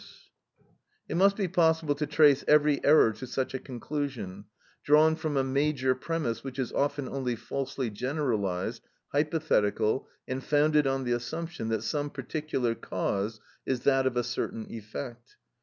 _"—It must be possible to trace every error to such a conclusion, drawn from a major premise which is often only falsely generalised, hypothetical, and founded on the assumption that some particular cause is that of a certain effect.